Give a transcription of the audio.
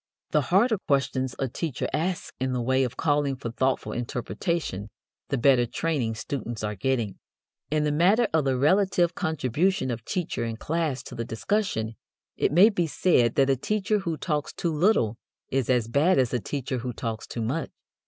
The harder questions a teacher asks in the way of calling for thoughtful interpretation the better training students are getting. In the matter of the relative contribution of teacher and class to the discussion, it may be said that a teacher who talks too little is as bad as a teacher who talks too much.